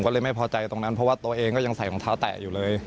ก็เลยไม่พอใจตรงนั้นเพราะว่าตัวเองก็ยังใส่รองเท้าแตะอยู่เลย